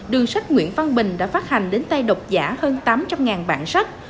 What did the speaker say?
đường sách nguyễn văn bình đã phát hành đến tay đọc giả hơn tám trăm linh bản sách